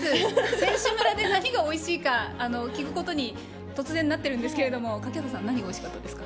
選手村で何がおいしかったか聞くことになっているんですが欠端さん何がおいしかったですか。